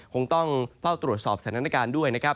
คงต้องเฝ้าตรวจสอบสถานการณ์ด้วยนะครับ